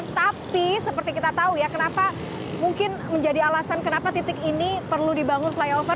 tapi seperti kita tahu ya kenapa mungkin menjadi alasan kenapa titik ini perlu dibangun flyover